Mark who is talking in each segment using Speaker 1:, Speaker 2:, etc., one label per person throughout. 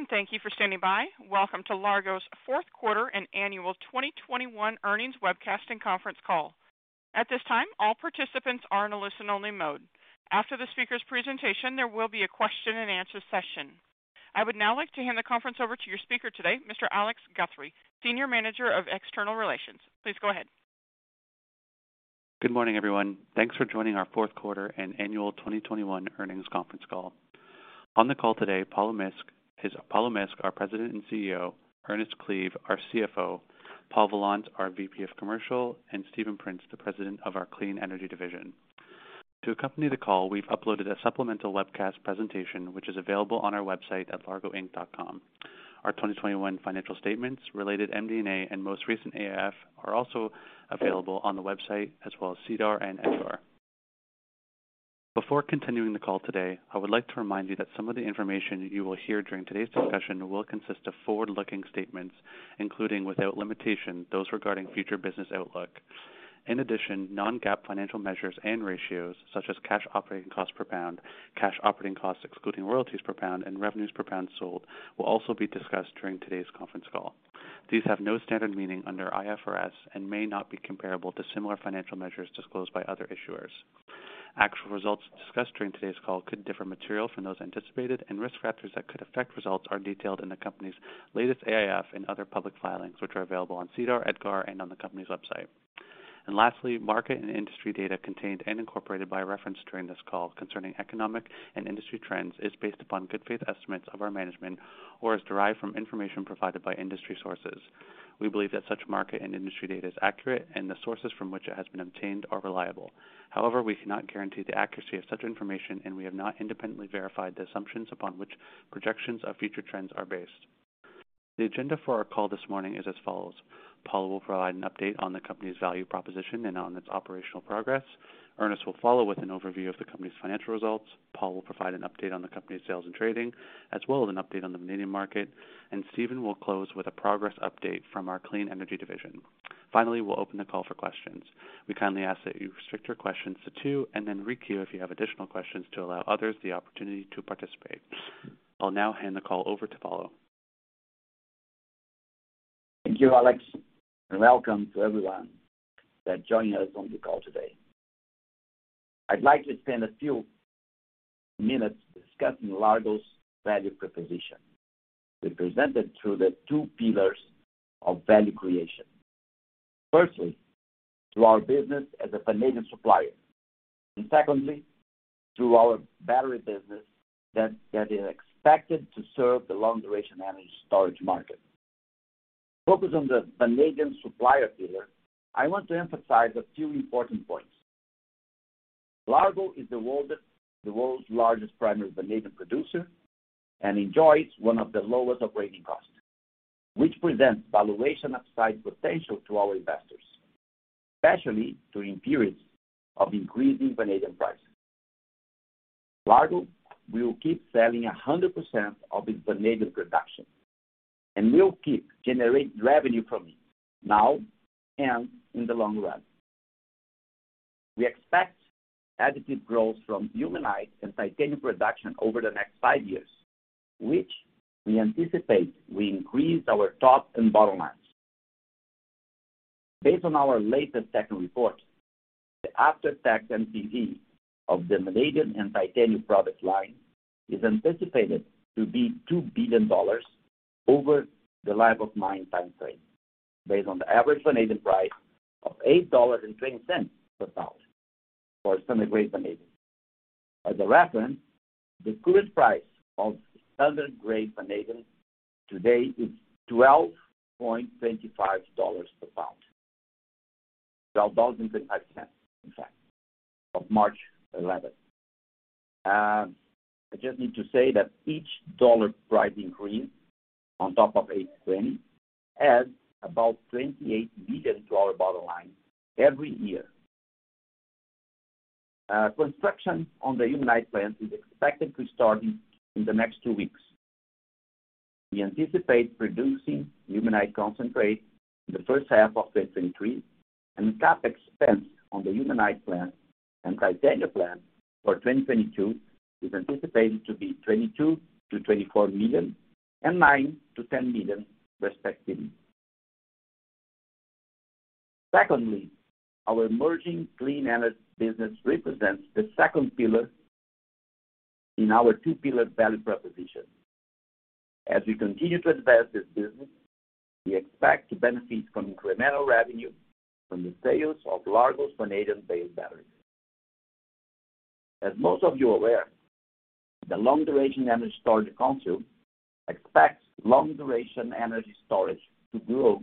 Speaker 1: Good day, and thank you for standing by. Welcome to Largo's fourth quarter and annual 2021 earnings webcast and conference call. At this time, all participants are in a listen-only mode. After the speaker's presentation, there will be a question-and-answer session. I would now like to hand the conference over to your speaker today, Mr. Alex Guthrie, Senior Manager of External Relations. Please go ahead.
Speaker 2: Good morning, everyone. Thanks for joining our fourth quarter and annual 2021 earnings conference call. On the call today, Paulo Misk, our President and CEO, Ernest Cleave, our CFO, Paul Vollant, our VP of Commercial, and Stephen Prince, the President of our Clean Energy Division. To accompany the call, we've uploaded a supplemental webcast presentation, which is available on our website at largoinc.com. Our 2021 financial statements, related MD&A, and most recent AIF are also available on the website as well as SEDAR and EDGAR. Before continuing the call today, I would like to remind you that some of the information you will hear during today's discussion will consist of forward-looking statements, including without limitation, those regarding future business outlook. In addition, non-GAAP financial measures and ratios such as cash operating costs per pound, cash operating costs excluding royalties per pound, and revenues per pound sold will also be discussed during today's conference call. These have no standard meaning under IFRS and may not be comparable to similar financial measures disclosed by other issuers. Actual results discussed during today's call could differ materially from those anticipated, and risk factors that could affect results are detailed in the company's latest AIF and other public filings, which are available on SEDAR, EDGAR, and on the company's website. Lastly, market and industry data contained and incorporated by reference during this call concerning economic and industry trends is based upon good faith estimates of our management or is derived from information provided by industry sources. We believe that such market and industry data is accurate, and the sources from which it has been obtained are reliable. However, we cannot guarantee the accuracy of such information, and we have not independently verified the assumptions upon which projections of future trends are based. The agenda for our call this morning is as follows. Paulo will provide an update on the company's value proposition and on its operational progress. Ernest will follow with an overview of the company's financial results. Paul will provide an update on the company's sales and trading, as well as an update on the vanadium market. Stephen will close with a progress update from our Clean Energy Division. Finally, we'll open the call for questions. We kindly ask that you restrict your questions to two and then requeue if you have additional questions to allow others the opportunity to participate. I'll now hand the call over to Paulo.
Speaker 3: Thank you, Alex, and welcome to everyone that's joining us on the call today. I'd like to spend a few minutes discussing Largo's value proposition. We present it through the two pillars of value creation. Firstly, through our business as a vanadium supplier, and secondly, through our battery business that is expected to serve the long-duration energy storage market. Focus on the vanadium supplier pillar, I want to emphasize a few important points. Largo is the world's largest primary vanadium producer and enjoys one of the lowest operating costs, which presents valuation upside potential to our investors, especially during periods of increasing vanadium prices. Largo will keep selling 100% of its vanadium production and will keep generating revenue from it now and in the long run. We expect additive growth from ilmenite and titanium production over the next five years, which we anticipate will increase our top and bottom lines. Based on our latest tax report, the after-tax NPV of the vanadium and titanium product line is anticipated to be $2 billion over the life of mine timeframe based on the average vanadium price of $8.20 per pound for standard grade vanadium. As a reference, the current price of standard grade vanadium today is $12.25 per pound. $12.25, in fact, of March 11. I just need to say that each dollar price increase on top of $8.20 adds about $28 million to our bottom line every year. Construction on the ilmenite plant is expected to start in the next two weeks. We anticipate producing ilmenite concentrate in the first half of 2023, and CapEx spends on the ilmenite plant and titanium plant for 2022 is anticipated to be $22 million-$24 million and $9 million-$10 million, respectively. Secondly, our emerging Clean Energy business represents the second pillar in our two-pillar value proposition. As we continue to advance this business, we expect to benefit from incremental revenue from the sales of Largo's vanadium-based battery. As most of you are aware, the Long-Duration Energy Storage Council expects long-duration energy storage to grow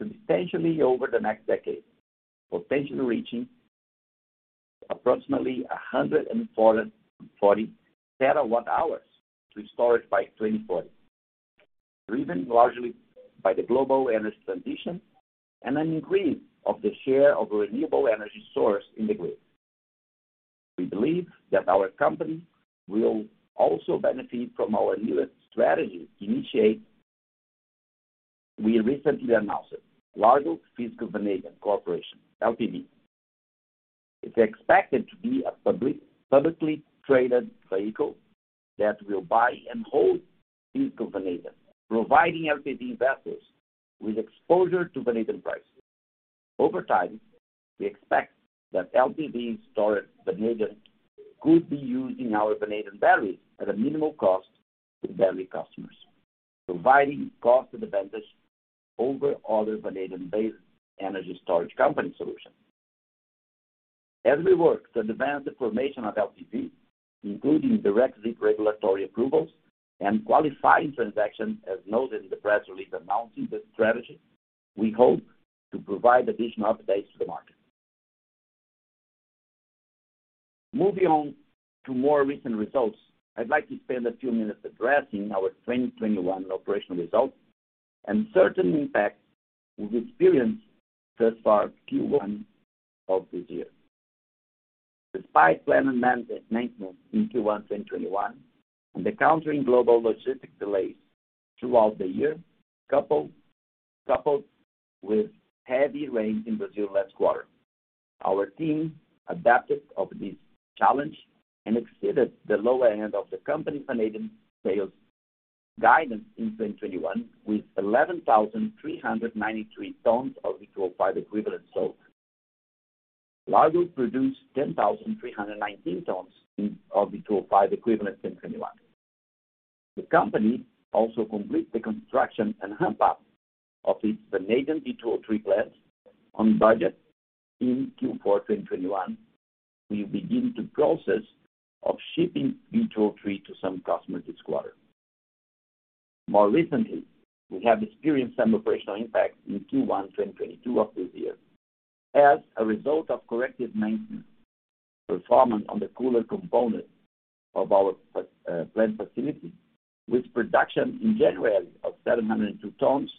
Speaker 3: substantially over the next decade, potentially reaching approximately 140 TWh to be stored by 2040, driven largely by the global energy transition and an increase of the share of renewable energy source in the grid. We believe that our company will also benefit from our U.S. strategy initiate. We recently announced it, Largo Physical Vanadium Corporation, LPV. It's expected to be a publicly traded vehicle that will buy and hold physical vanadium, providing LPV investors with exposure to vanadium prices. Over time, we expect that LPV stored vanadium could be used in our vanadium batteries at a minimal cost to battery customers, providing cost advantage over other vanadium-based energy storage company solutions. As we work to advance the formation of LPV, including direct regulatory approvals and qualifying transactions, as noted in the press release announcing the strategy, we hope to provide additional updates to the market. Moving on to more recent results, I'd like to spend a few minutes addressing our 2021 operational results and certain impacts we've experienced thus far in Q1 of this year. Despite planned maintenance in Q1 2021 and the continuing global logistics delays throughout the year, coupled with heavy rain in Brazil last quarter, our team adapted to this challenge and exceeded the lower end of the company's vanadium sales guidance in 2021 with 11,393 tons of V2O5 equivalent sold. Largo produced 10,319 tons of V2O5 equivalent in 2021. The company also completed the construction and ramp-up of its vanadium V2O3 plant on budget in Q4 2021. We begin the process of shipping V2O3 to some customers this quarter. More recently, we have experienced some operational impacts in Q1 2022 of this year as a result of corrective maintenance performance on the cooler component of our plant facility, with production in January of 702 tons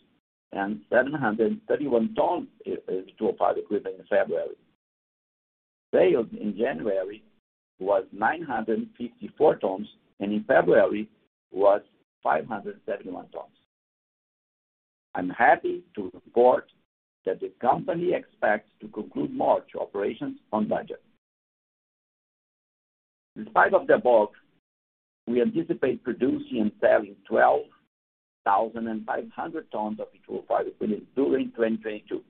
Speaker 3: and 731 tons V2O5 equivalent in February. Sales in January was 954 tons and in February was 571 tons. I'm happy to report that the company expects to conclude March operations on budget. In spite of the above, we anticipate producing and selling 12,500 tons of V2O5 equivalent during 2022.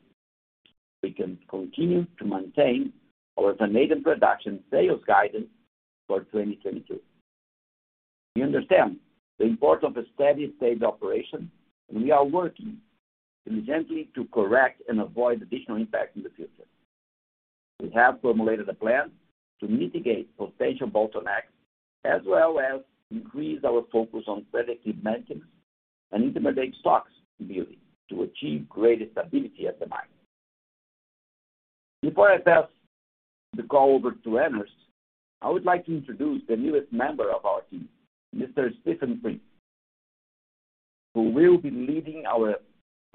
Speaker 3: We can continue to maintain our vanadium production sales guidance for 2022. We understand the importance of a steady state of operation, and we are working diligently to correct and avoid additional impact in the future. We have formulated a plan to mitigate potential bottleneck, as well as increase our focus on predictive maintenance and intimidate stocks building to achieve greater stability at the mine. Before I pass the call over to Ernest, I would like to introduce the newest member of our team, Mr. Stephen Prince, who will be leading our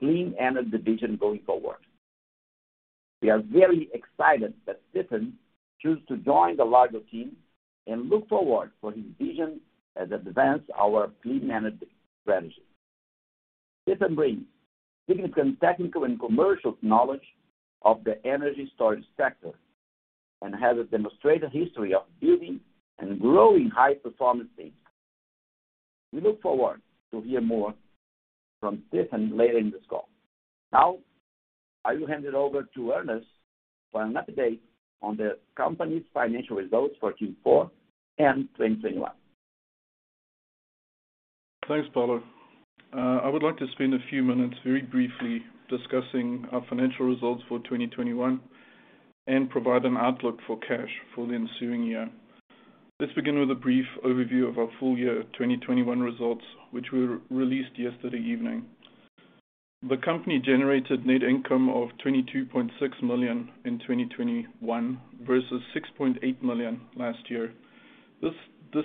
Speaker 3: Clean Energy Division going forward. We are very excited that Stephen chose to join the Largo team, and look forward to his vision as we advance our Clean Energy strategy. Stephen brings significant technical and commercial knowledge of the energy storage sector and has a demonstrated history of building and growing high-performance teams. We look forward to hear more from Stephen later in this call. Now, I will hand it over to Ernest for an update on the company's financial results for Q4 and 2021.
Speaker 4: Thanks, Paulo. I would like to spend a few minutes very briefly discussing our financial results for 2021 and provide an outlook for cash for the ensuing year. Let's begin with a brief overview of our full year 2021 results, which we released yesterday evening. The company generated net income of $22.6 million in 2021 versus $6.8 million last year. This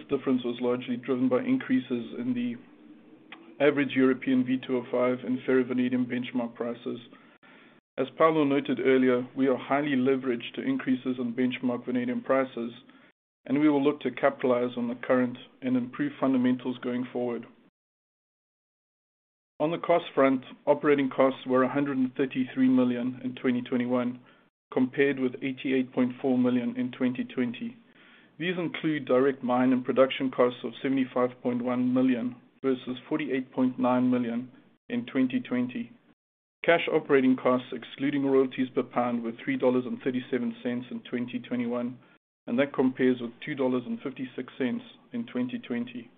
Speaker 4: difference was largely driven by increases in the average European V2O5 and ferrovanadium benchmark prices. As Paulo noted earlier, we are highly leveraged to increases on benchmark vanadium prices, and we will look to capitalize on the current and improved fundamentals going forward. On the cost front, operating costs were $133 million in 2021, compared with $88.4 million in 2020. These include direct mine and production costs of $75.1 million versus $48.9 million in 2020. Cash operating costs excluding royalties per pound were $3.37 in 2021, and that compares with $2.56 in 2020.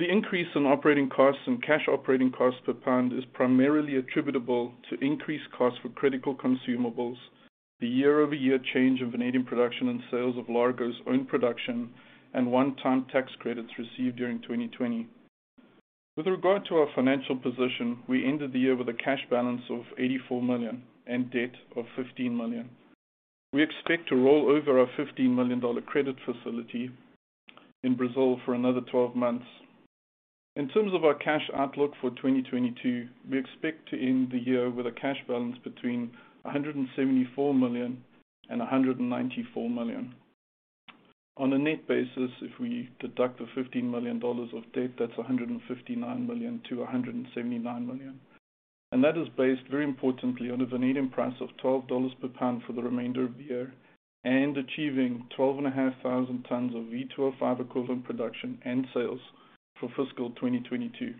Speaker 4: The increase in operating costs and cash operating costs per pound is primarily attributable to increased costs for critical consumables, the year-over-year change in vanadium production and sales of Largo's own production, and one-time tax credits received during 2020. With regard to our financial position, we ended the year with a cash balance of $84 million and debt of $15 million. We expect to roll over our $15 million credit facility in Brazil for another 12 months. In terms of our cash outlook for 2022, we expect to end the year with a cash balance between $174 million and $194 million. On a net basis, if we deduct the $15 million of debt, that's $159 million to $179 million. That is based very importantly on the vanadium price of $12 per pound for the remainder of the year and achieving 12,500 tons of V2O5 equivalent production and sales for fiscal 2022.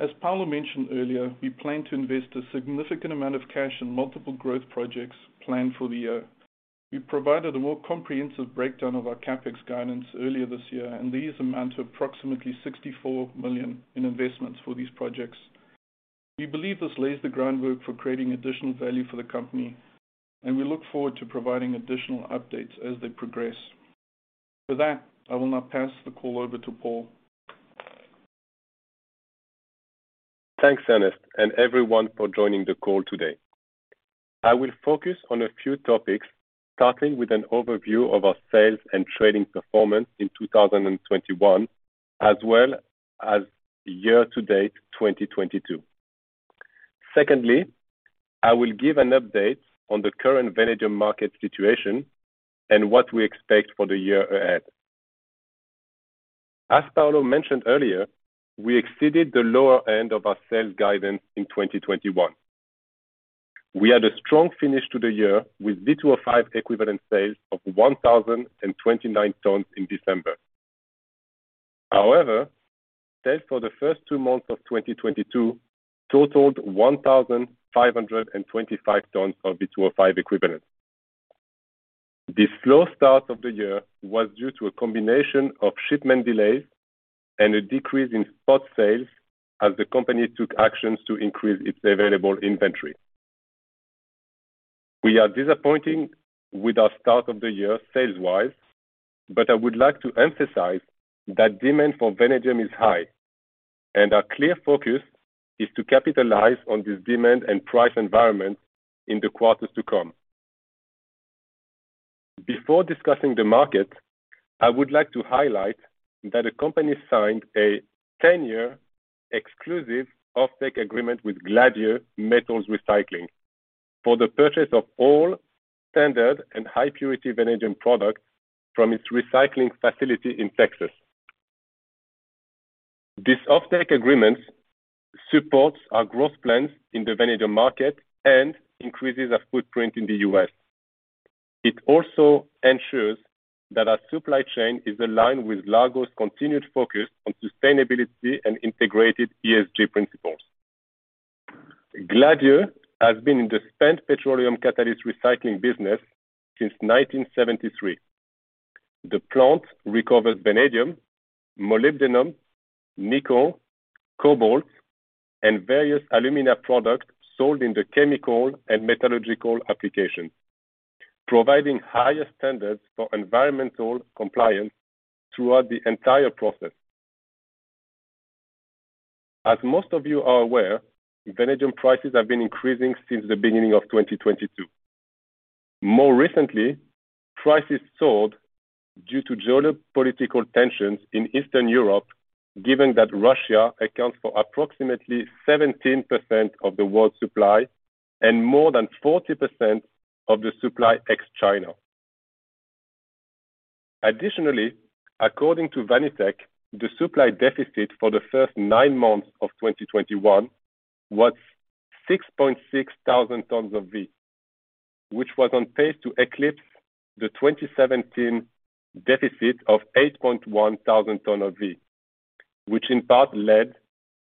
Speaker 4: As Paulo mentioned earlier, we plan to invest a significant amount of cash in multiple growth projects planned for the year. We provided a more comprehensive breakdown of our CapEx guidance earlier this year, and these amount to approximately $64 million in investments for these projects. We believe this lays the groundwork for creating additional value for the company, and we look forward to providing additional updates as they progress. For that, I will now pass the call over to Paul.
Speaker 5: Thanks, Ernest, and everyone for joining the call today. I will focus on a few topics, starting with an overview of our sales and trading performance in 2021, as well as year to date 2022. Secondly, I will give an update on the current vanadium market situation and what we expect for the year ahead. As Paulo mentioned earlier, we exceeded the lower end of our sales guidance in 2021. We had a strong finish to the year with V2O5 equivalent sales of 1,029 tons in December. However, sales for the first two months of 2022 totaled 1,525 tons of V2O5 equivalent. The slow start of the year was due to a combination of shipment delays and a decrease in spot sales as the company took actions to increase its available inventory. We are disappointing with our start of the year sales-wise, but I would like to emphasize that demand for vanadium is high, and our clear focus is to capitalize on this demand and price environment in the quarters to come. Before discussing the market, I would like to highlight that the company signed a 10-year exclusive offtake agreement with Gladieux Metals Recycling for the purchase of all standard and high purity vanadium products from its recycling facility in Texas. This offtake agreement supports our growth plans in the vanadium market and increases our footprint in the U.S. It also ensures that our supply chain is aligned with Largo's continued focus on sustainability and integrated ESG principles. Gladieux has been in the spent petroleum catalyst recycling business since 1973. The plant recovers vanadium, molybdenum, nickel, cobalt, and various alumina products sold in the chemical and metallurgical application, providing higher standards for environmental compliance throughout the entire process. As most of you are aware, vanadium prices have been increasing since the beginning of 2022. More recently, prices soared due to geopolitical tensions in Eastern Europe, given that Russia accounts for approximately 17% of the world's supply and more than 40% of the supply ex-China. Additionally, according to Vanitec, the supply deficit for the first nine months of 2021 was 6,600 tons of V, which was on pace to eclipse the 2017 deficit of 8,100 tons of V, which in part led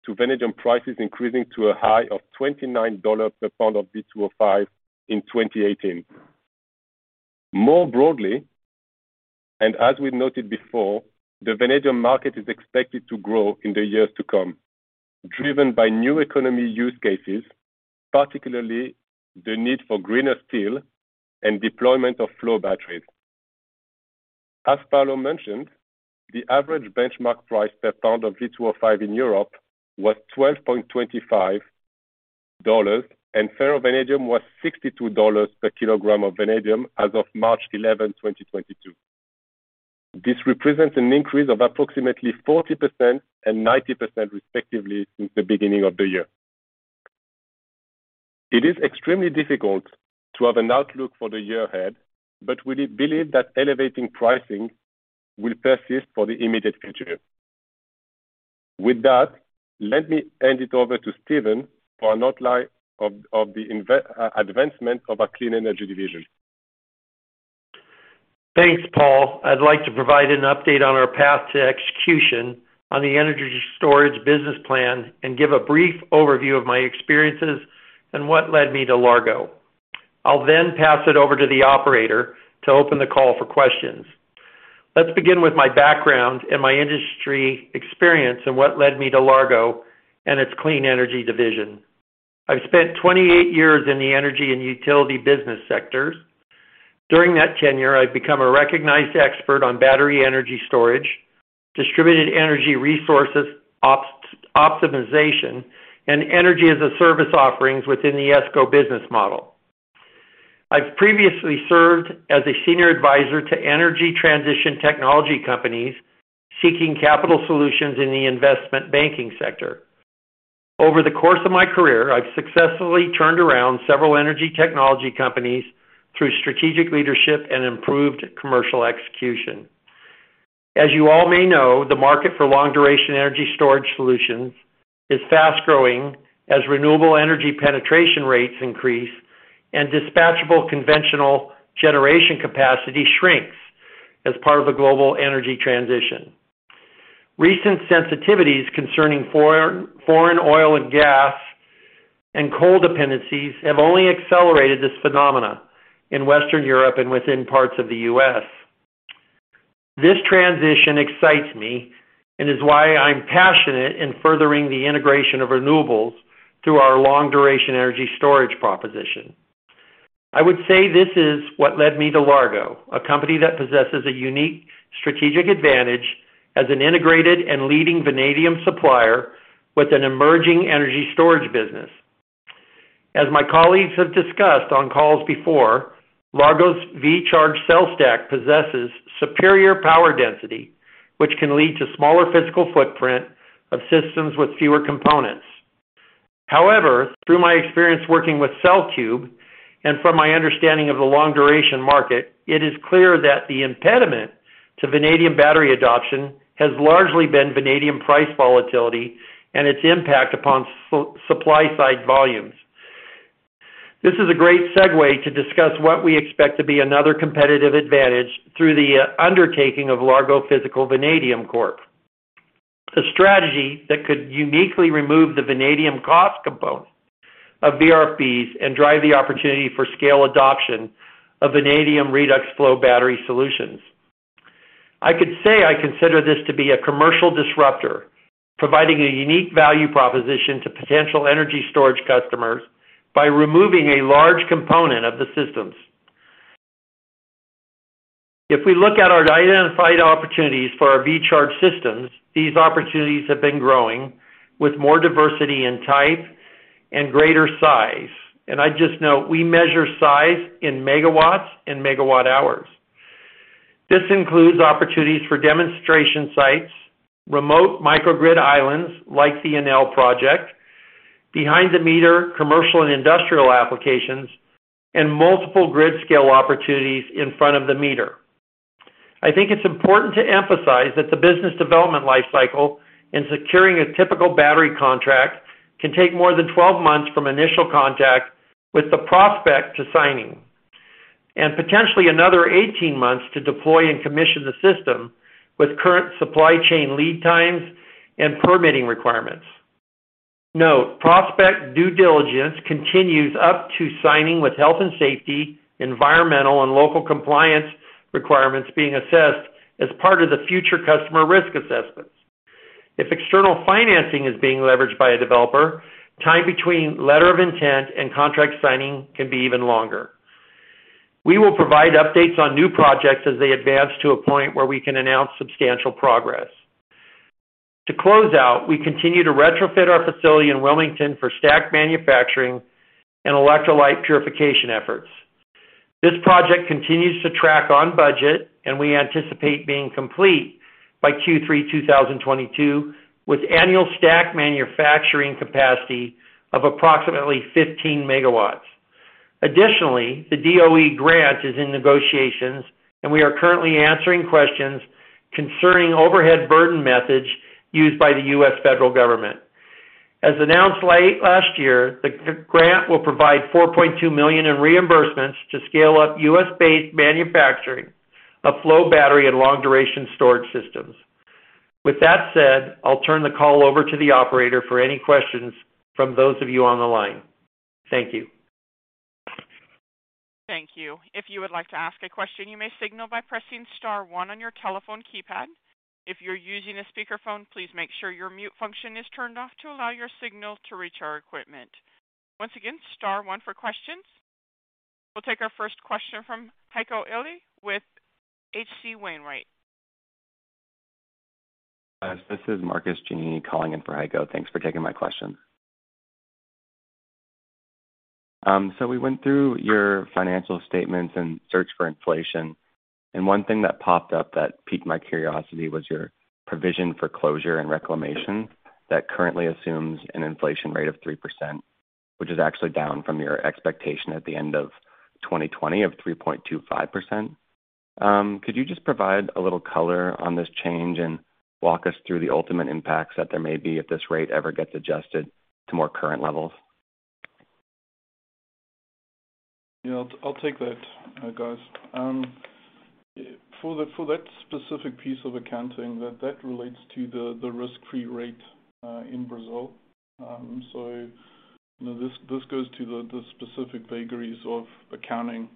Speaker 5: to vanadium prices increasing to a high of $29 per pound of V2O5 in 2018. More broadly, as we noted before, the vanadium market is expected to grow in the years to come, driven by new economy use cases, particularly the need for greener steel and deployment of flow batteries. As Paulo mentioned, the average benchmark price per pound of V2O5 in Europe was $12.25, and ferrovanadium was $62 per kilogram of vanadium as of March 11, 2022. This represents an increase of approximately 40% and 90%, respectively, since the beginning of the year. It is extremely difficult to have an outlook for the year ahead, but we believe that elevating pricing will persist for the immediate future. With that, let me hand it over to Stephen for an outline of the advancement of our Clean Energy Division.
Speaker 6: Thanks, Paul. I'd like to provide an update on our path to execution on the energy storage business plan and give a brief overview of my experiences and what led me to Largo. I'll then pass it over to the operator to open the call for questions. Let's begin with my background and my industry experience and what led me to Largo and its Clean Energy Division. I've spent 28 years in the energy and utility business sectors. During that tenure, I've become a recognized expert on battery energy storage, distributed energy resources optimization, and energy as a service offerings within the ESCO business model. I've previously served as a senior advisor to energy transition technology companies seeking capital solutions in the investment banking sector. Over the course of my career, I've successfully turned around several energy technology companies through strategic leadership and improved commercial execution. As you all may know, the market for long-duration energy storage solutions is fast-growing as renewable energy penetration rates increase and dispatchable conventional generation capacity shrinks as part of a global energy transition. Recent sensitivities concerning foreign oil and gas and coal dependencies have only accelerated this phenomenon in Western Europe and within parts of the U.S. This transition excites me and is why I'm passionate in furthering the integration of renewables through our long-duration energy storage proposition. I would say this is what led me to Largo, a company that possesses a unique strategic advantage as an integrated and leading vanadium supplier with an emerging energy storage business. As my colleagues have discussed on calls before, Largo's VCHARGE cell stack possesses superior power density, which can lead to smaller physical footprint of systems with fewer components. However, through my experience working with CellCube and from my understanding of the long-duration market, it is clear that the impediment to vanadium battery adoption has largely been vanadium price volatility and its impact upon supply side volumes. This is a great segue to discuss what we expect to be another competitive advantage through the undertaking of Largo Physical Vanadium Corp. A strategy that could uniquely remove the vanadium cost component of VRFBs and drive the opportunity for scale adoption of vanadium redox flow battery solutions. I could say I consider this to be a commercial disruptor, providing a unique value proposition to potential energy storage customers by removing a large component of the systems. If we look at our identified opportunities for our VCHARGE systems, these opportunities have been growing with more diversity in type and greater size. I just note, we measure size in megawatts and megawatt hours. This includes opportunities for demonstration sites, remote microgrid islands like the Enel project, behind the meter, commercial and industrial applications, and multiple grid scale opportunities in front of the meter. I think it's important to emphasize that the business development life cycle in securing a typical battery contract can take more than 12 months from initial contact with the prospect to signing, and potentially another 18 months to deploy and commission the system with current supply chain lead times and permitting requirements. Note, prospect due diligence continues up to signing with health and safety, environmental and local compliance requirements being assessed as part of the future customer risk assessments. If external financing is being leveraged by a developer, time between letter of intent and contract signing can be even longer. We will provide updates on new projects as they advance to a point where we can announce substantial progress. To close out, we continue to retrofit our facility in Wilmington for stack manufacturing and electrolyte purification efforts. This project continues to track on budget, and we anticipate being complete by Q3 2022, with annual stack manufacturing capacity of approximately 15 MW. Additionally, the DOE grant is in negotiations, and we are currently answering questions concerning overhead burden methods used by the U.S. federal government. As announced late last year, the grant will provide $4.2 million in reimbursements to scale up U.S.-based manufacturing of flow battery and long-duration storage systems. With that said, I'll turn the call over to the operator for any questions from those of you on the line. Thank you.
Speaker 1: Thank you. If you would like to ask a question, you may signal by pressing star one on your telephone keypad. If you're using a speakerphone, please make sure your mute function is turned off to allow your signal to reach our equipment. Once again, star one for questions. We'll take our first question from Heiko Ihle with H.C. Wainwright.
Speaker 7: This is Marcus Giannini calling in for Heiko. Thanks for taking my question. We went through your financial statements in search for inflation, and one thing that popped up that piqued my curiosity was your provision for closure and reclamation that currently assumes an inflation rate of 3%, which is actually down from your expectation at the end of 2020 of 3.25%. Could you just provide a little color on this change and walk us through the ultimate impacts that there may be if this rate ever gets adjusted to more current levels?
Speaker 4: Yeah, I'll take that, guys. For that specific piece of accounting that relates to the risk-free rate in Brazil. You know, this goes to the specific vagaries of accounting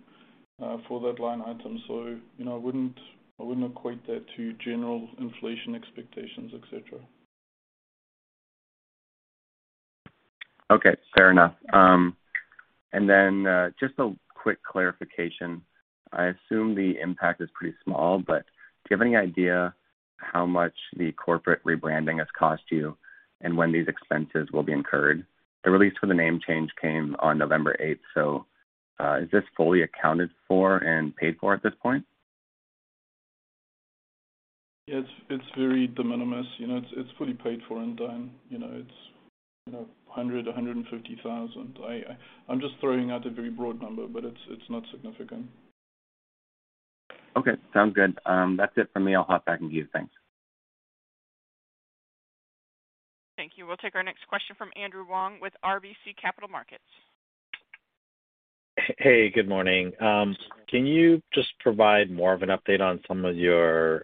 Speaker 4: for that line item. You know, I wouldn't equate that to general inflation expectations, et cetera.
Speaker 7: Okay, fair enough. Just a quick clarification. I assume the impact is pretty small, but do you have any idea how much the corporate rebranding has cost you and when these expenses will be incurred? The release for the name change came on November eighth. Is this fully accounted for and paid for at this point?
Speaker 4: Yes, it's very de minimis. You know, it's fully paid for and done. You know, it's you know $150,000. I'm just throwing out a very broad number, but it's not significant.
Speaker 7: Okay. Sounds good. That's it for me. I'll hop back in queue. Thanks.
Speaker 1: Thank you. We'll take our next question from Andrew Wong with RBC Capital Markets.
Speaker 8: Hey, good morning. Can you just provide more of an update on some of your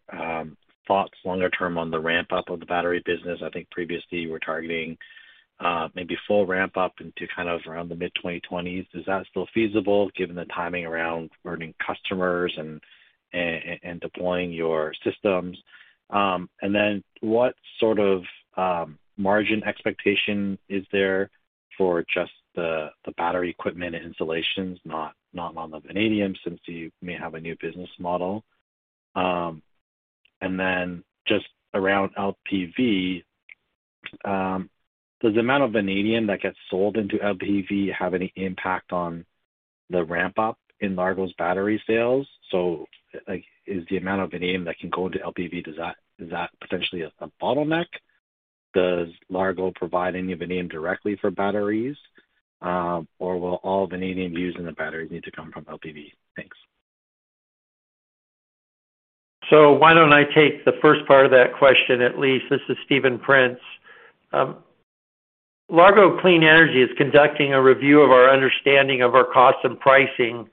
Speaker 8: thoughts longer term on the ramp-up of the battery business? I think previously you were targeting maybe full ramp-up into kind of around the mid-2020s. Is that still feasible given the timing around learning customers and and deploying your systems? And then what sort of margin expectation is there for just the battery equipment installations, not on the vanadium, since you may have a new business model. And then just around LPV, does the amount of vanadium that gets sold into LPV have any impact on the ramp-up in Largo's battery sales? Like, is the amount of vanadium that can go into LPV, does that, is that potentially a bottleneck? Does Largo provide any vanadium directly for batteries, or will all vanadium used in the batteries need to come from LPV? Thanks.
Speaker 6: Why don't I take the first part of that question, at least. This is Stephen Prince. Largo Clean Energy is conducting a review of our understanding of our cost and pricing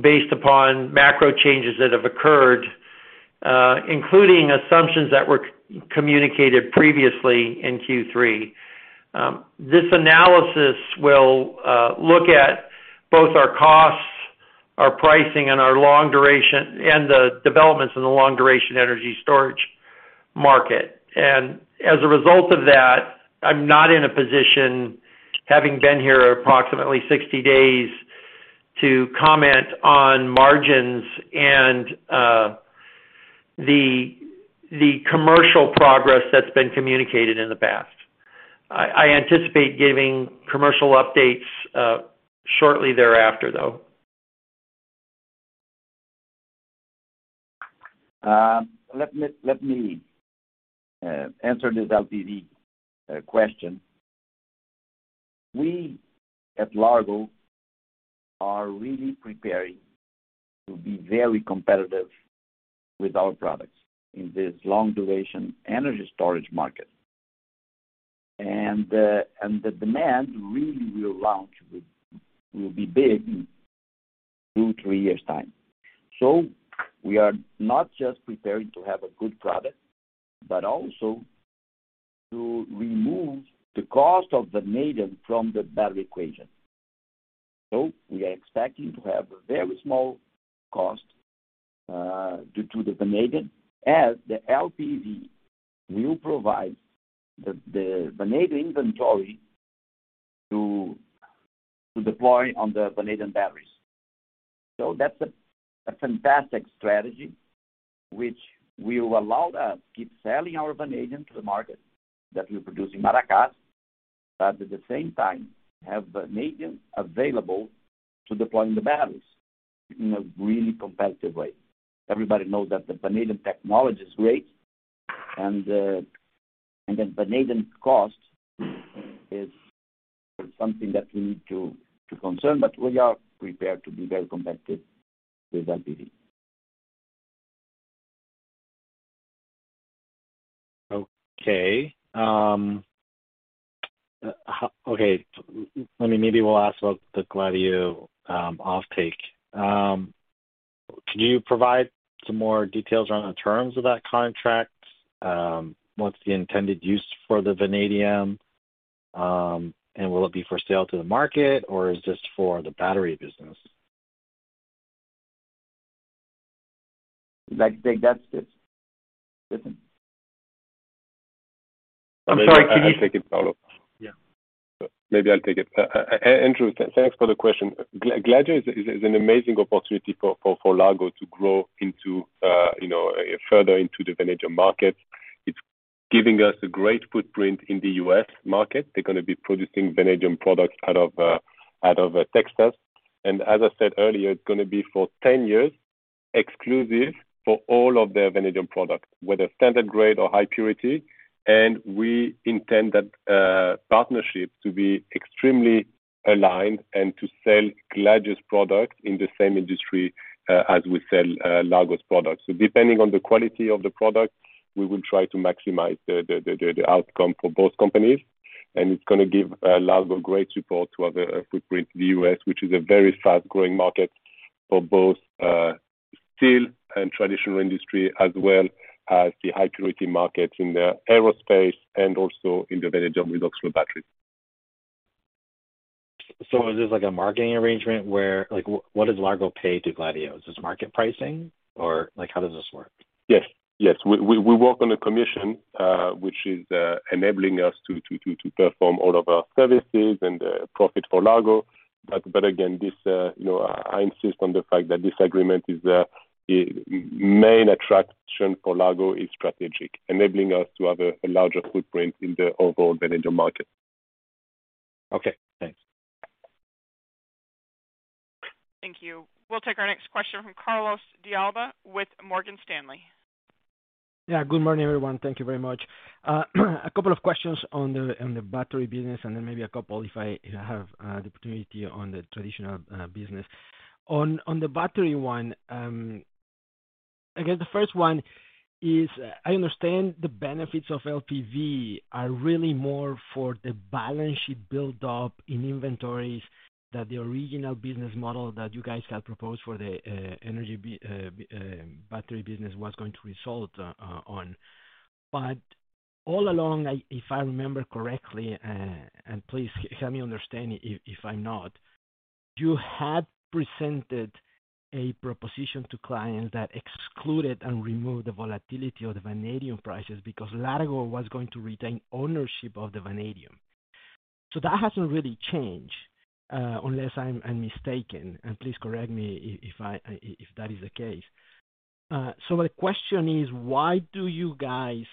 Speaker 6: based upon macro changes that have occurred, including assumptions that were communicated previously in Q3. This analysis will look at both our costs, our pricing, and our long duration, and the developments in the long duration energy storage market. As a result of that, I'm not in a position, having been here approximately 60 days, to comment on margins and the commercial progress that's been communicated in the past. I anticipate giving commercial updates shortly thereafter, though.
Speaker 3: Answer this LPV question. We at Largo are really preparing to be very competitive with our products in this long-duration energy storage market. The demand really will be big in two to three years' time. We are not just preparing to have a good product, but also to remove the cost of vanadium from the value equation. We are expecting to have a very small cost due to the vanadium, as the LPV will provide the vanadium inventory to deploy on the vanadium batteries. That's a fantastic strategy which will allow us keep selling our vanadium to the market that we produce in Maracás, but at the same time, have vanadium available to deploy in the batteries in a really competitive way. Everybody knows that the vanadium technology is great and the vanadium cost is something that we need to consider, but we are prepared to be very competitive with LPV.
Speaker 8: Okay. Let me maybe we'll ask about the Gladieux offtake. Can you provide some more details around the terms of that contract? What's the intended use for the vanadium? Will it be for sale to the market or is this for the battery business?
Speaker 3: Like, take that, Steven.
Speaker 8: I'm sorry, can you?
Speaker 5: Maybe I'll take it, Paulo.
Speaker 3: Yeah.
Speaker 5: Maybe I'll take it. Andrew, thanks for the question. Gladieux is an amazing opportunity for Largo to grow into you know further into the vanadium market. It's giving us a great footprint in the U.S. market. They're gonna be producing vanadium products out of Texas. As I said earlier, it's gonna be for 10 years exclusive for all of their vanadium products, whether standard grade or high purity. We intend that partnership to be extremely aligned and to sell Gladieux's products in the same industry as we sell Largo's products. Depending on the quality of the product, we will try to maximize the outcome for both companies. It's gonna give Largo great support to have a footprint in the U.S., which is a very fast-growing market for both steel and traditional industry, as well as the high purity market in the aerospace and also in the vanadium redox flow battery.
Speaker 8: Is this like a marketing arrangement where like, what does Largo pay to Gladieux? Is this market pricing or like, how does this work?
Speaker 5: Yes. We work on a commission, which is enabling us to perform all of our services and profit for Largo. Again, you know, I insist on the fact that this agreement is a main attraction for Largo is strategic, enabling us to have a larger footprint in the overall vanadium market.
Speaker 8: Okay, thanks.
Speaker 1: Thank you. We'll take our next question from Carlos de Alba with Morgan Stanley.
Speaker 9: Yeah, good morning, everyone. Thank you very much. A couple of questions on the battery business and then maybe a couple if I have the opportunity on the traditional business. On the battery one, I guess the first one is, I understand the benefits of LPV are really more for the balance sheet build-up in inventories that the original business model that you guys had proposed for the energy battery business was going to result on. All along, if I remember correctly, and please let me understand if I'm not, you had presented a proposition to clients that excluded and removed the volatility of the vanadium prices because Largo was going to retain ownership of the vanadium. That hasn't really changed, unless I'm mistaken, and please correct me if that is the case. My question is, why do you guys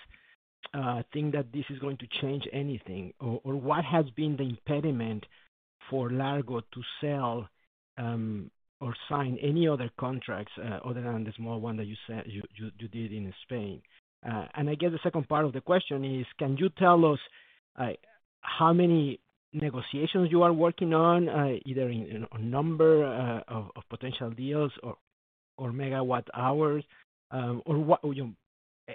Speaker 9: think that this is going to change anything? Or what has been the impediment for Largo to sell or sign any other contracts other than the small one that you did in Spain? I guess the second part of the question is, can you tell us how many negotiations you are working on, either in a number of potential deals or megawatt hours, or what, you know?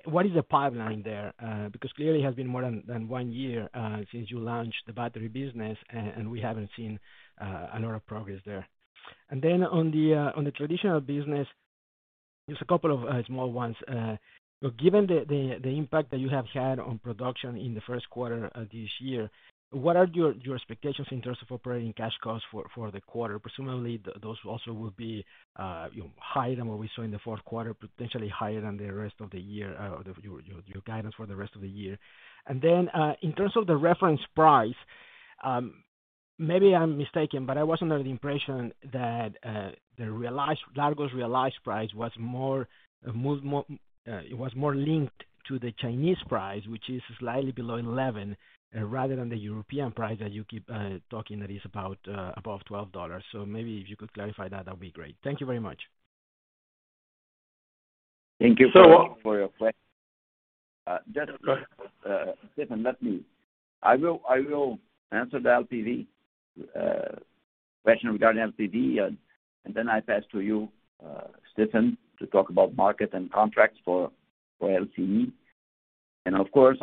Speaker 9: What is the pipeline there? Because clearly it has been more than one year since you launched the battery business and we haven't seen a lot of progress there. On the traditional business, just a couple of small ones. Given the impact that you have had on production in the first quarter of this year, what are your expectations in terms of operating cash costs for the quarter? Presumably, those also will be, you know, higher than what we saw in the fourth quarter, potentially higher than the rest of the year, your guidance for the rest of the year. In terms of the reference price, maybe I'm mistaken, but I was under the impression that Largo's realized price was more linked to the Chinese price, which is slightly below $11, rather than the European price that you keep talking about that is about above $12. Maybe if you could clarify that'd be great. Thank you very much.
Speaker 3: Thank you for your question, Stephen, let me. I will answer the LPV question regarding LPV, and then I pass to you, Stephen, to talk about market and contracts for LCE. Of course,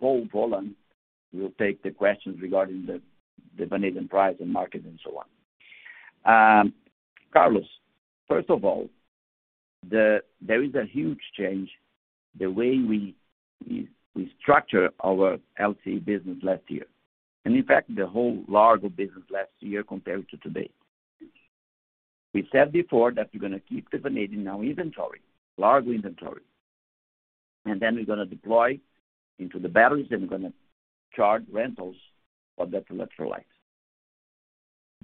Speaker 3: Paul will take the questions regarding the vanadium price and market and so on. Carlos, first of all, there is a huge change the way we structured our LCE business last year. In fact, the whole Largo business last year compared to today. We said before that we're gonna keep the vanadium inventory, Largo inventory. Then we're gonna deploy into the batteries, and we're gonna charge rentals for that electrolytes.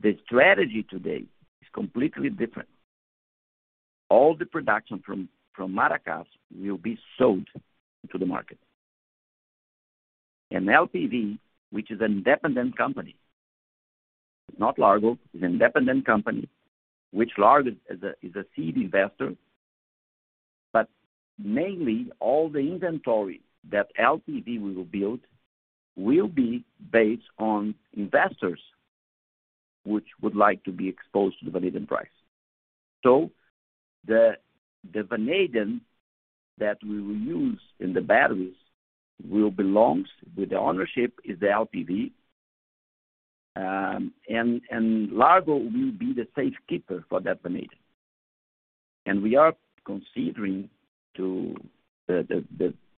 Speaker 3: The strategy today is completely different. All the production from Maracás will be sold to the market. LPV, which is an independent company, it's not Largo, it's an independent company, which Largo is a seed investor. Mainly all the inventory that LPV will build will be based on investors which would like to be exposed to the vanadium price. The vanadium that we will use in the batteries will belongs with the ownership is the LPV, and Largo will be the safe keeper for that vanadium. We are considering the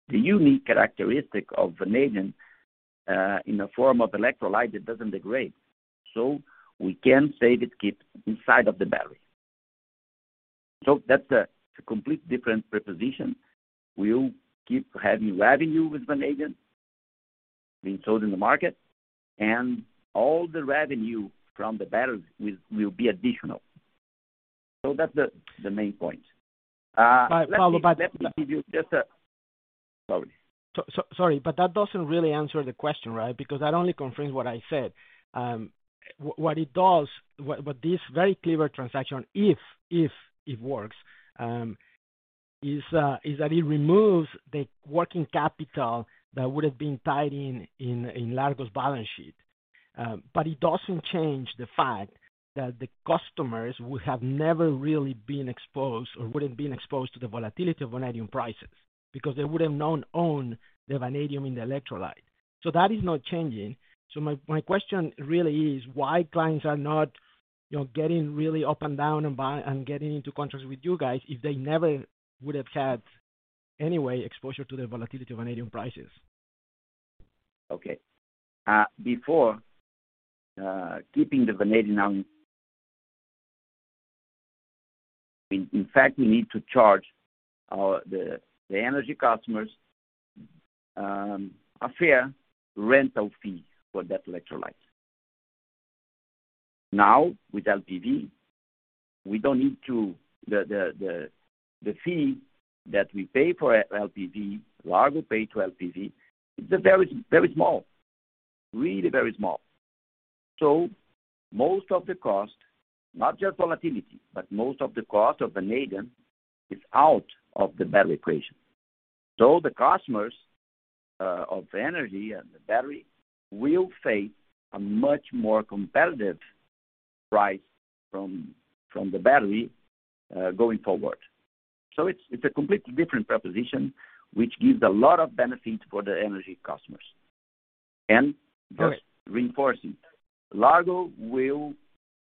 Speaker 3: unique characteristic of vanadium in the form of electrolyte, it doesn't degrade. We can safe it, keep inside of the battery. That's a complete different proposition. We'll keep having revenue with vanadium being sold in the market, and all the revenue from the batteries will be additional. That's the main point.
Speaker 9: But-
Speaker 3: Let me give you just. Sorry.
Speaker 9: Sorry, but that doesn't really answer the question, right? Because that only confirms what I said. What it does, what this very clever transaction, if it works, is that it removes the working capital that would have been tied up in Largo's balance sheet. But it doesn't change the fact that the customers would have never really been exposed or would have been exposed to the volatility of vanadium prices because they would have not owned the vanadium in the electrolyte. That is not changing. My question really is why clients are not, you know, getting really up and down and getting into contracts with you guys if they never would have had any exposure to the volatility of vanadium prices.
Speaker 3: Okay. Before, keeping the vanadium. In fact, we need to charge the energy customers a fair rental fee for that electrolyte. Now, with LPV, we don't need to. The fee that we pay for LPV, Largo pay to LPV, is very, very small, really very small. So most of the cost, not just volatility, but most of the cost of the vanadium is out of the battery equation. So the customers of energy and the battery will face a much more competitive price from the battery going forward. So it's a completely different proposition, which gives a lot of benefit for the energy customers. Just reinforcing, Largo will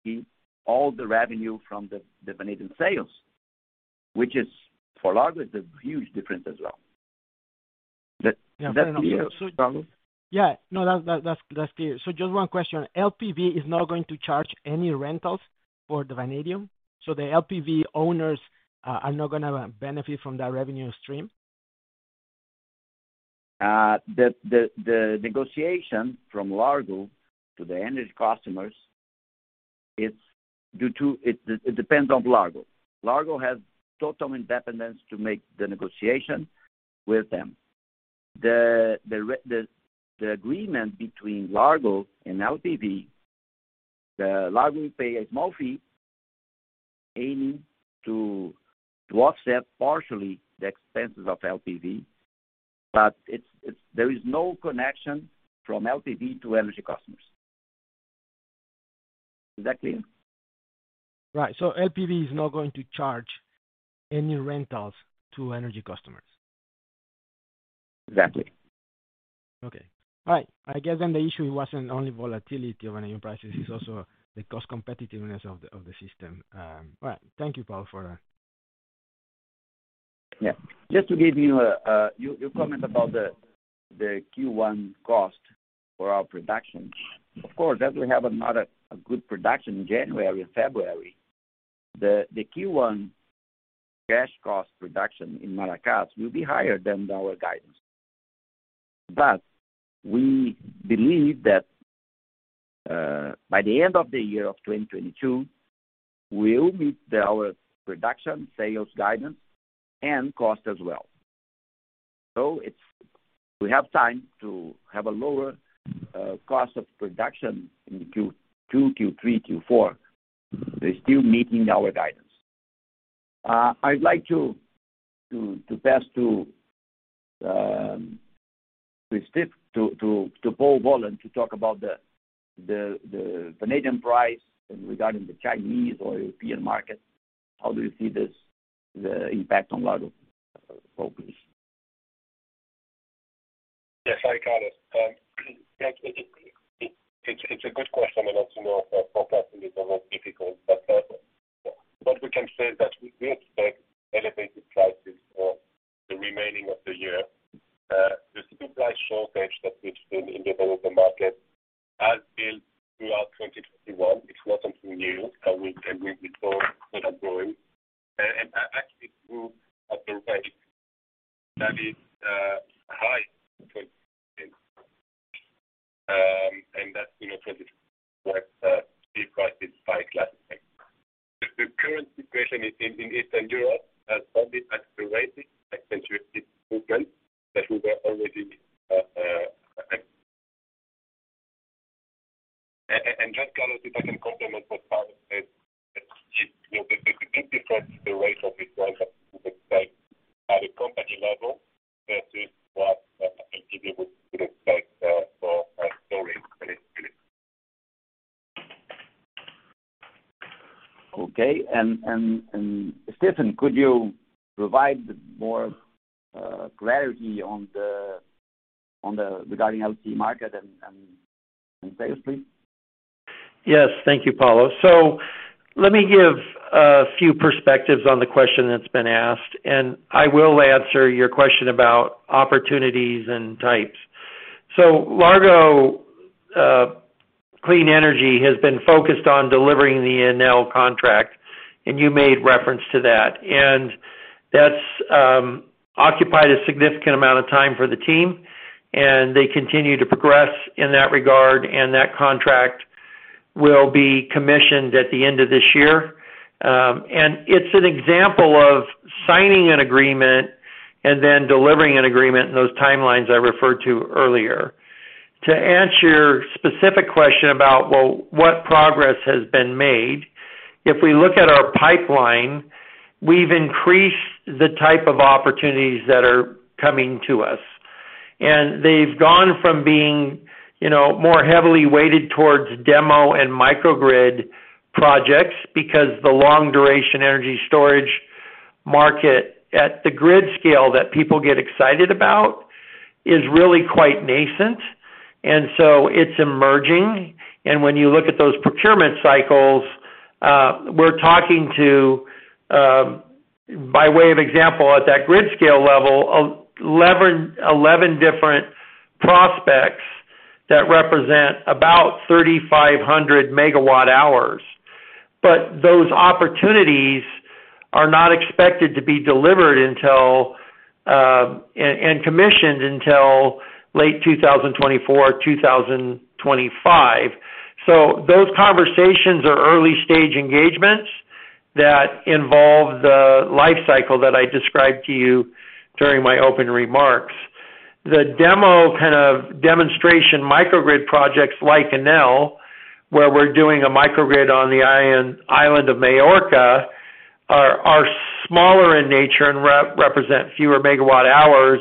Speaker 3: keep all the revenue from the vanadium sales, which is, for Largo is a huge difference as well. That's clear, Carlos?
Speaker 9: Yeah. No, that's clear. Just one question. LPV is not going to charge any rentals for the vanadium, so the LPV owners are not gonna benefit from that revenue stream?
Speaker 3: The negotiation from Largo to the energy customers, it depends on Largo. Largo has total independence to make the negotiation with them. The agreement between Largo and LPV, Largo will pay a small fee aiming to offset partially the expenses of LPV, but there is no connection from LPV to energy customers. Is that clear?
Speaker 9: Right. LPV is not going to charge any rentals to energy customers.
Speaker 3: Exactly.
Speaker 9: Okay. All right. I guess then the issue wasn't only volatility of any prices, it's also the cost competitiveness of the system. All right. Thank you, Paulo, for that.
Speaker 3: Yeah. Just to give you your comment about the Q1 cost for our production. Of course, as we have another good production in January and February, the Q1 cash cost production in Maracás will be higher than our guidance. We believe that by the end of the year of 2022, we'll meet our production sales guidance and cost as well. We have time to have a lower cost of production in Q2, Q3, Q4. They're still meeting our guidance. I'd like to pass to Stephen, to Paul Vollant to talk about the vanadium price regarding the Chinese or European market. How do you see this, the impact on Largo's focus?
Speaker 5: Yes. Hi, Carlos de Alba. Yeah, it's a good question, but as you know, forecasting is always difficult. What we can say is that we do expect elevated prices for the remainder of the year. The supply shortage that we've seen in the global market has been throughout 2021. It's not something new, and we thought sort of growing. Actually through at the rate that is high in 2021. And that, you know, 2021, the price is quite classic. The current situation in Eastern Europe has only accelerated, accentuated movement that we were already. Just, Carlos de Alba, if I can complement what Paulo said. You know, the big difference is the rate of this growth that we would expect at a company level versus what an entity would expect for storage in its unit.
Speaker 3: Okay. Stephen, could you provide more clarity regarding LC market and sales, please?
Speaker 6: Yes. Thank you, Paulo. Let me give a few perspectives on the question that's been asked, and I will answer your question about opportunities and types. Largo Clean Energy has been focused on delivering the Enel contract, and you made reference to that. And that's occupied a significant amount of time for the team, and they continue to progress in that regard, and that contract will be commissioned at the end of this year. And it's an example of signing an agreement and then delivering an agreement in those timelines I referred to earlier. To answer your specific question about, well, what progress has been made, if we look at our pipeline, we've increased the type of opportunities that are coming to us. They've gone from being, you know, more heavily weighted towards demo and microgrid projects because the long-duration energy storage market at the grid scale that people get excited about is really quite nascent. It's emerging. When you look at those procurement cycles, we're talking to, by way of example, at that grid scale level, 11 different prospects that represent about 3,500 MWh. But those opportunities are not expected to be delivered until, and commissioned until late 2024-2025. Those conversations are early-stage engagements that involve the life cycle that I described to you during my opening remarks. The demo kind of demonstration microgrid projects like Enel, where we're doing a microgrid on the island of Majorca are smaller in nature and represent fewer megawatt hours.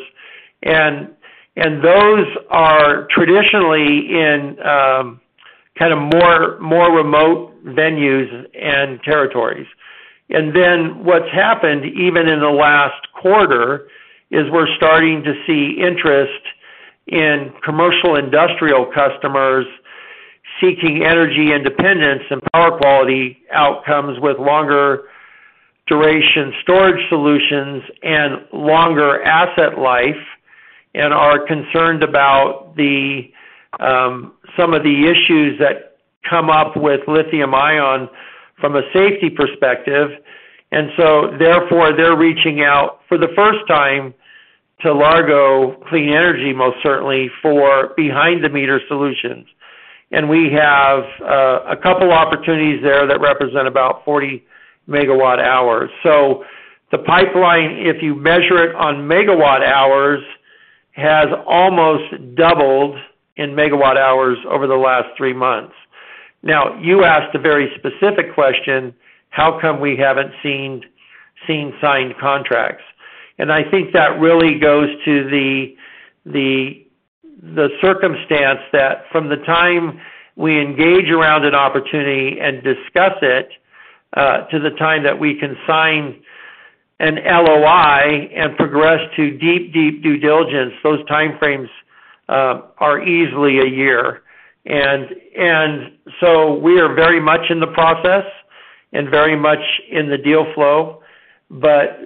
Speaker 6: Those are traditionally in kind of more remote venues and territories. What's happened, even in the last quarter, is we're starting to see interest in commercial industrial customers seeking energy independence and power quality outcomes with longer duration storage solutions and longer asset life, and are concerned about some of the issues that come up with lithium-ion from a safety perspective. Therefore, they're reaching out for the first time to Largo Clean Energy, most certainly for behind-the-meter solutions. We have a couple opportunities there that represent about 40 MWh. The pipeline, if you measure it on megawatt hours, has almost doubled in megawatt hours over the last three months. You asked a very specific question, how come we haven't seen signed contracts? I think that really goes to the circumstance that from the time we engage around an opportunity and discuss it to the time that we can sign an LOI and progress to deep due diligence, those time frames are easily a year. We are very much in the process and very much in the deal flow, but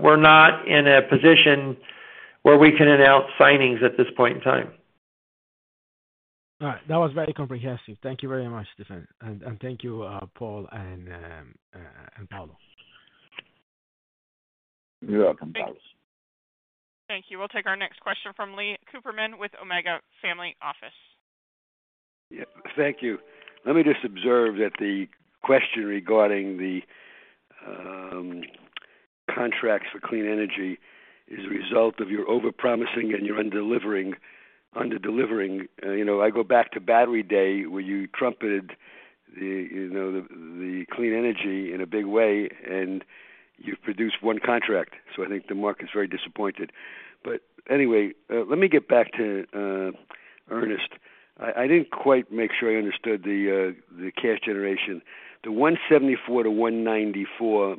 Speaker 6: we're not in a position where we can announce signings at this point in time.
Speaker 9: All right. That was very comprehensive. Thank you very much, Stephen. Thank you, Paul and Paulo.
Speaker 3: You're welcome, Carlos.
Speaker 1: Thank you. We'll take our next question from Leon Cooperman with Omega Family Office.
Speaker 10: Yeah, thank you. Let me just observe that the question regarding the contracts for Clean Energy is a result of your overpromising and your under-delivering. You know, I go back to Battery Day, where you trumpeted the Clean Energy in a big way, and you've produced one contract. I think the market is very disappointed. Anyway, let me get back to Ernest. I didn't quite make sure I understood the cash generation. The $174 million-$194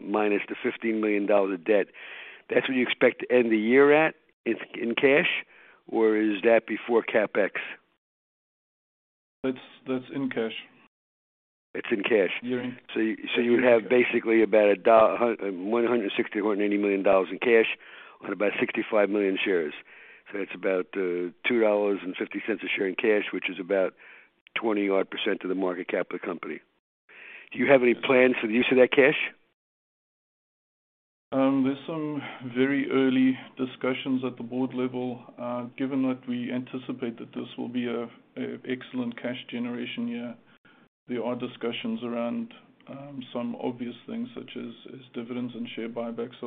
Speaker 10: million minus the $15 million of debt, that's what you expect to end the year at in cash, or is that before CapEx?
Speaker 4: That's in cash.
Speaker 10: It's in cash.
Speaker 4: Yes.
Speaker 10: You would have basically about $160 million-$180 million in cash on about 65 million shares. That's about $2.50 a share in cash, which is about 20-odd% of the market cap of the company. Do you have any plans for the use of that cash?
Speaker 4: There's some very early discussions at the board level. Given that we anticipate that this will be an excellent cash generation year, there are discussions around some obvious things such as dividends and share buybacks.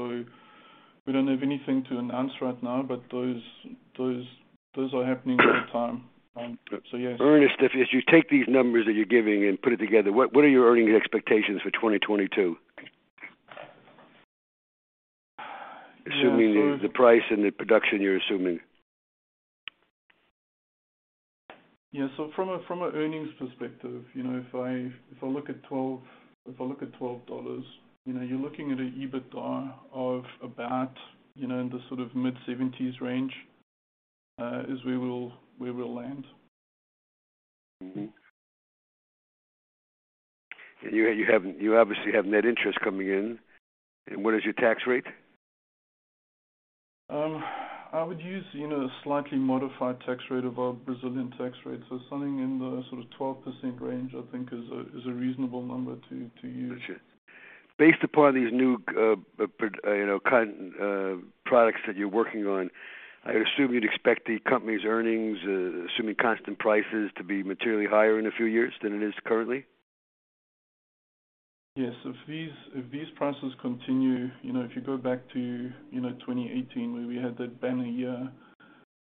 Speaker 4: We don't have anything to announce right now, but those are happening all the time. Yes.
Speaker 10: Ernest, if you take these numbers that you're giving and put it together, what are your earnings expectations for 2022?
Speaker 4: Yeah.
Speaker 10: Assuming the price and the production you're assuming.
Speaker 4: From an earnings perspective, you know, if I look at $12, you know, you're looking at an EBITDA of about, you know, in the sort of mid-70s range is where we will land.
Speaker 10: You obviously have net interest coming in. What is your tax rate?
Speaker 4: I would use, you know, a slightly modified tax rate of our Brazilian tax rate. Something in the sort of 12% range, I think is a reasonable number to use.
Speaker 10: Got you. Based upon these new, you know, kind products that you're working on, I assume you'd expect the company's earnings, assuming constant prices, to be materially higher in a few years than it is currently.
Speaker 4: Yes. If these prices continue, you know, if you go back to, you know, 2018, where we had that banner year,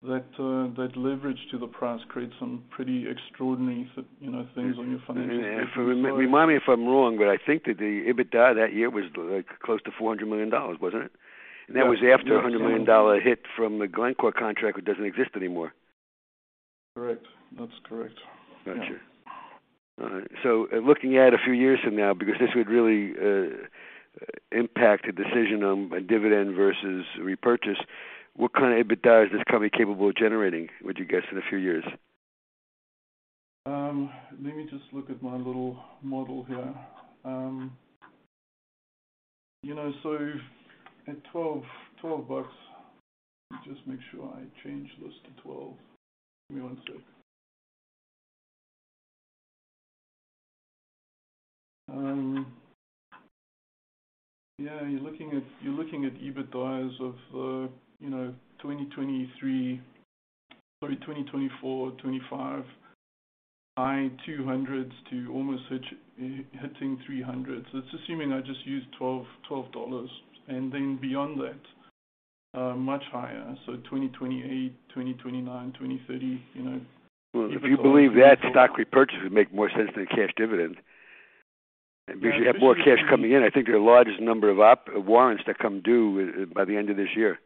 Speaker 4: that leverage to the price creates some pretty extraordinary you know, things on your financial statement.
Speaker 10: Remind me if I'm wrong, but I think that the EBITDA that year was like close to $400 million, wasn't it?
Speaker 4: That's-
Speaker 10: That was after a $100 million hit from the Glencore contract that doesn't exist anymore.
Speaker 4: Correct. That's correct. Yeah.
Speaker 10: Got you. All right. Looking at a few years from now, because this would really impact a decision on a dividend versus repurchase, what kind of EBITDA is this company capable of generating, would you guess, in a few years?
Speaker 4: Let me just look at my little model here. You know, at $12, let me just make sure I change this to $12. Give me one sec. Yeah, you're looking at EBITDA of 2024, 2025, high $200s million to almost hitting $300 million. It's assuming I just use $12. Then beyond that, much higher. 2028, 2029, 2030, you know.
Speaker 10: Well, if you believe that stock repurchase would make more sense than a cash dividend, because you have more cash coming in. I think there are a large number of warrants that come due by the end of this year.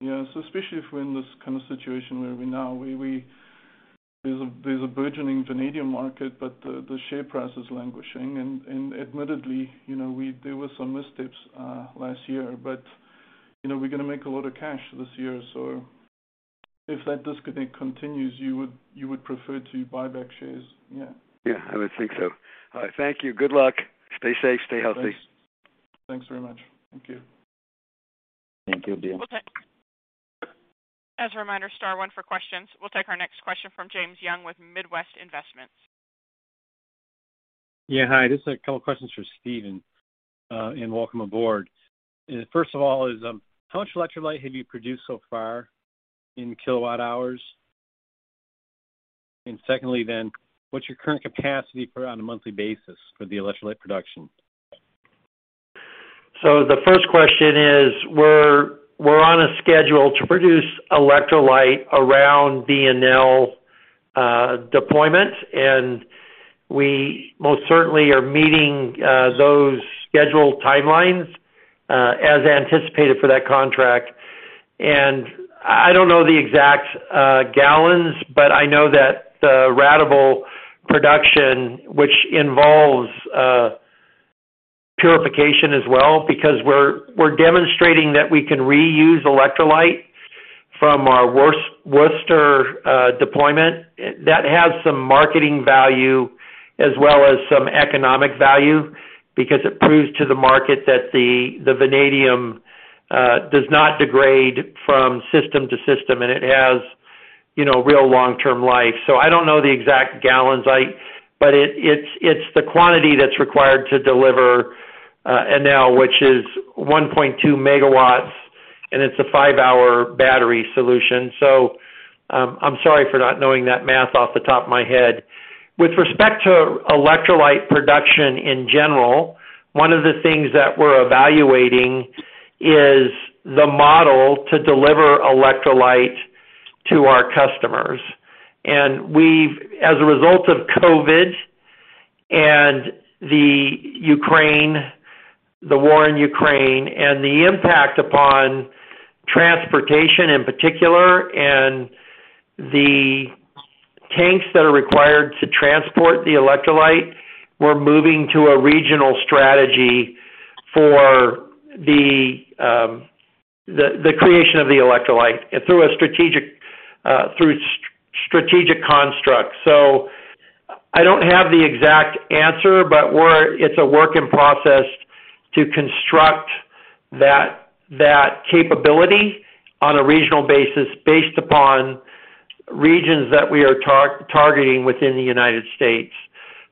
Speaker 4: Yeah. Especially if we're in this kind of situation where there's a burgeoning vanadium market, but the share price is languishing. Admittedly, you know, there were some missteps last year, but, you know, we're gonna make a lot of cash this year. If that disconnect continues, you would prefer to buy back shares. Yeah.
Speaker 10: Yeah, I would think so. All right. Thank you. Good luck. Stay safe. Stay healthy.
Speaker 4: Thanks. Thanks very much. Thank you.
Speaker 3: Thank you. Leon.
Speaker 1: As a reminder, star one for questions. We'll take our next question from Jim Young with Midwest Investments.
Speaker 11: Yeah. Hi. Just a couple of questions for Steve, and welcome aboard. First of all is how much electrolyte have you produced so far in kilowatt hours? Secondly then, what's your current capacity for on a monthly basis for the electrolyte production?
Speaker 6: The first question is, we're on a schedule to produce electrolyte around Enel deployment, and we most certainly are meeting those scheduled timelines as anticipated for that contract. I don't know the exact gallons, but I know that the ratable production, which involves purification as well, because we're demonstrating that we can reuse electrolyte from our Worcester deployment. That has some marketing value as well as some economic value because it proves to the market that the vanadium does not degrade from system to system, and it has, you know, real long-term life. I don't know the exact gallons. But it's the quantity that's required to deliver Enel which is 1.2 MW, and it's a five-hour battery solution. I'm sorry for not knowing that math off the top of my head. With respect to electrolyte production in general, one of the things that we're evaluating is the model to deliver electrolyte to our customers. As a result of COVID and the Ukraine, the war in Ukraine and the impact upon transportation, in particular, and the tanks that are required to transport the electrolyte, we're moving to a regional strategy for the creation of the electrolyte through a strategic construct. I don't have the exact answer, but it's a work in process to construct that capability on a regional basis based upon regions that we are targeting within the United States.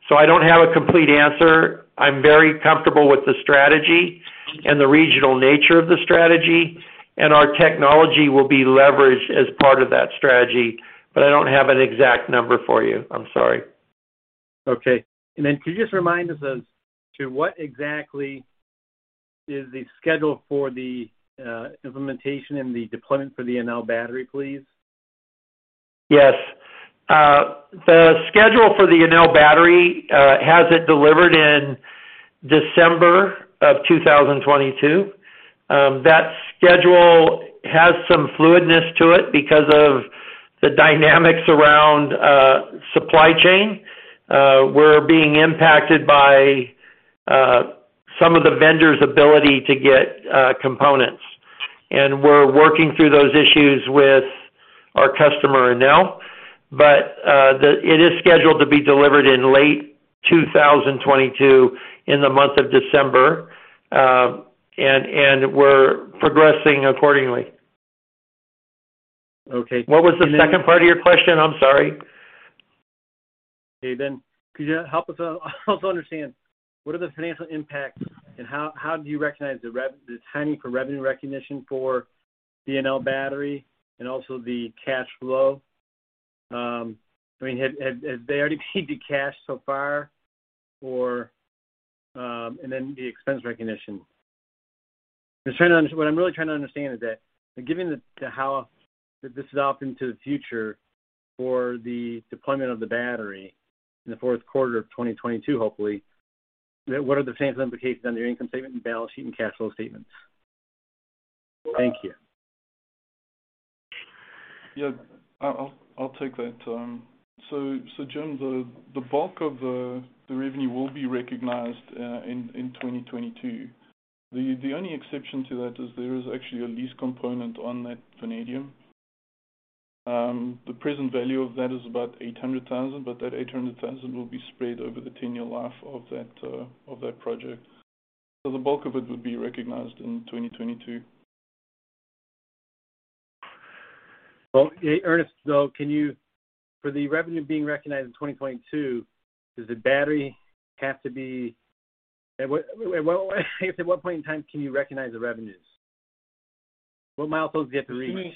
Speaker 6: I don't have a complete answer. I'm very comfortable with the strategy and the regional nature of the strategy, and our technology will be leveraged as part of that strategy. I don't have an exact number for you. I'm sorry.
Speaker 11: Okay. Could you just remind us as to what exactly is the schedule for the implementation and the deployment for the Enel battery, please?
Speaker 6: Yes. The schedule for the Enel battery has it delivered in December 2022. That schedule has some fluidness to it because of the dynamics around supply chain. We're being impacted by some of the vendors' ability to get components, and we're working through those issues with our customer, Enel. It is scheduled to be delivered in late 2022 in the month of December. We're progressing accordingly.
Speaker 11: Okay.
Speaker 6: What was the second part of your question? I'm sorry.
Speaker 11: Okay. Could you help us to understand what are the financial impacts and how do you recognize the timing for revenue recognition for Enel battery and also the cash flow? I mean, have they already paid the cash so far or and then the expense recognition. I'm just trying to understand. What I'm really trying to understand is that given that this is far off into the future for the deployment of the battery in the fourth quarter of 2022, hopefully, what are the financial implications on your income statement and balance sheet and cash flow statements? Thank you.
Speaker 4: Yeah. I'll take that. Jim, the bulk of the revenue will be recognized in 2022. The only exception to that is there is actually a lease component on that vanadium. The present value of that is about $800,000, but that $800,000 will be spread over the 10-year life of that project. The bulk of it would be recognized in 2022.
Speaker 11: Well, hey, Ernest, though, for the revenue being recognized in 2022, I guess at what point in time can you recognize the revenues? What milestones do you have to reach?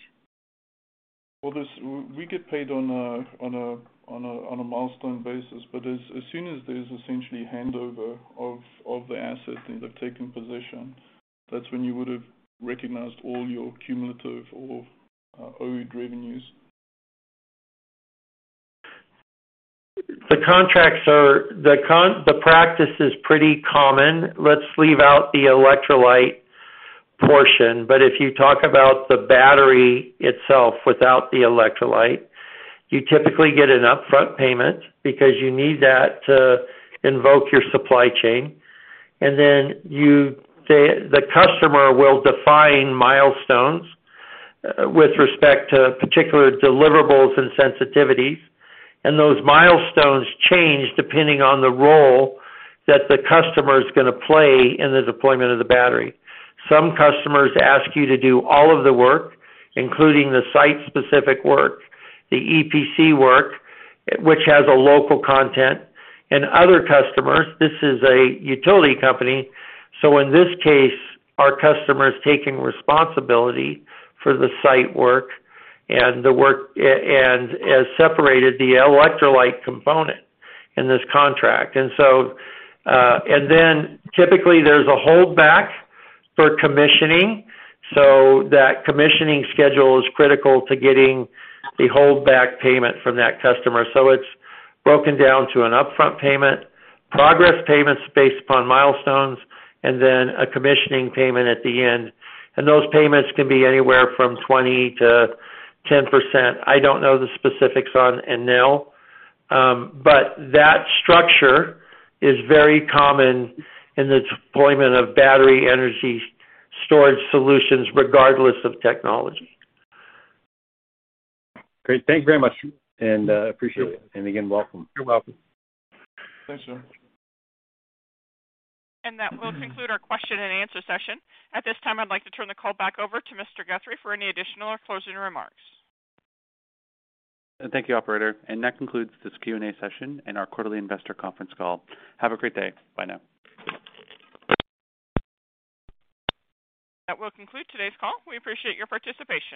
Speaker 4: Well, this, we get paid on a milestone basis, but as soon as there's essentially handover of the asset and they've taken possession, that's when you would've recognized all your cumulative or owed revenues.
Speaker 6: The practice is pretty common. Let's leave out the electrolyte portion, but if you talk about the battery itself without the electrolyte, you typically get an upfront payment because you need that to invoke your supply chain. The customer will define milestones with respect to particular deliverables and sensitivities. Those milestones change depending on the role that the customer is gonna play in the deployment of the battery. Some customers ask you to do all of the work, including the site-specific work, the EPC work, which has a local content, and other customers. This is a utility company. In this case, our customer is taking responsibility for the site work and the work and has separated the electrolyte component in this contract. Typically there's a holdback for commissioning, so that commissioning schedule is critical to getting the holdback payment from that customer. It's broken down to an upfront payment, progress payments based upon milestones, and then a commissioning payment at the end. Those payments can be anywhere from 20%-10%. I don't know the specifics on Enel, but that structure is very common in the deployment of battery energy storage solutions regardless of technology.
Speaker 11: Great. Thank you very much and, appreciate it. Again, welcome.
Speaker 6: You're welcome.
Speaker 4: Thanks, Jim.
Speaker 1: That will conclude our question and answer session. At this time, I'd like to turn the call back over to Mr. Guthrie for any additional or closing remarks.
Speaker 2: Thank you, operator. That concludes this Q&A session and our quarterly investor conference call. Have a great day. Bye now.
Speaker 1: That will conclude today's call. We appreciate your participation.